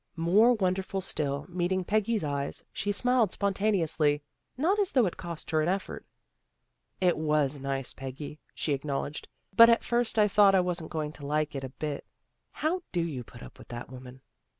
More wonderful still, meeting Peggy's eyes, she smiled spontaneously, not as though it cost her an effort. " It was nice, Peggy," she acknowledged. " But at first I thought I wasn't going to like it a bit. How do you put up with that woman?